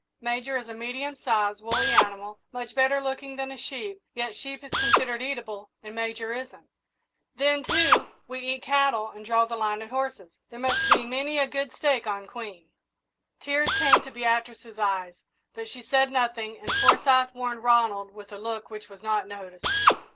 Major is a medium sized, woolly animal, much better looking than a sheep, yet sheep is considered eatable and Major isn't. Then, too, we eat cattle and draw the line at horses there must be many a good steak on Queen." Tears came to Beatrice's eyes, but she said nothing, and Forsyth warned Ronald with a look which was not noticed.